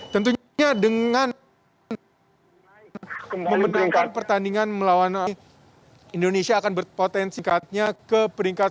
tentunya dengan memenangkan pertandingan melawan indonesia akan berpotensinya ke peringkat